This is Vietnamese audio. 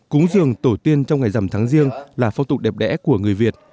cúng dường tổ tiên trong ngày rằm tháng riêng là phong tục đẹp đẽ của người việt